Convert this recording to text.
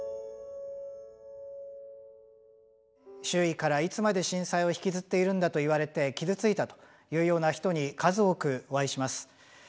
周囲から「いつまで震災を引きずっているんだ」と言われて傷ついたというような人に数多くお会いします。